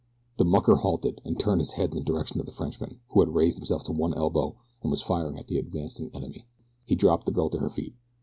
The mucker halted, and turned his head in the direction of the Frenchman, who had raised himself to one elbow and was firing at the advancing enemy. He dropped the girl to her feet.